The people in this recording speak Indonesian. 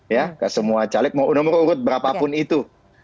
ya semua caleg mau nomor urut berapapun itu